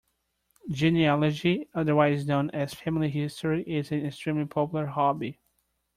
Genealogy, otherwise known as family history, is an extremely popular hobby